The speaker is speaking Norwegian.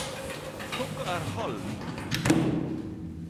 Klokka er halv ni.